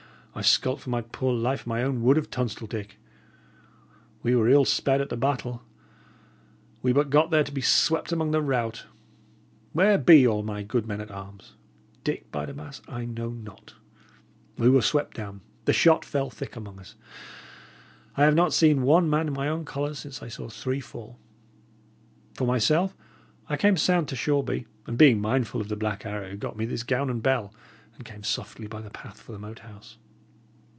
I skulked for my poor life in my own wood of Tunstall, Dick. We were ill sped at the battle; we but got there to be swept among the rout. Where be all my good men at arms? Dick, by the mass, I know not! We were swept down; the shot fell thick among us; I have not seen one man in my own colours since I saw three fall. For myself, I came sound to Shoreby, and being mindful of the Black Arrow, got me this gown and bell, and came softly by the path for the Moat House.